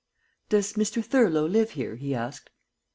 "Does Mr. Thurlow live here?" he asked.